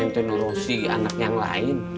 emang ada valentino rossi anak yang lain